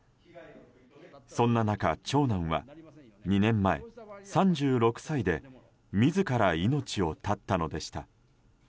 そんな中、長男は２年前３６歳で自ら命を絶ったのでした。